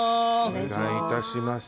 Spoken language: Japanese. お願いいたします。